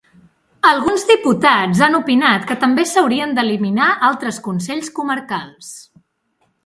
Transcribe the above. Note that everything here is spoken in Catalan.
Alguns diputats han opinat que també s'haurien d'eliminar altres consells comarcals.